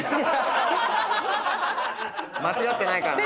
間違ってないからな。